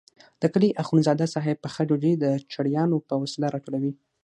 د کلي اخندزاده صاحب پخه ډوډۍ د چړیانو په وسیله راټولوله.